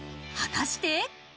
果たして。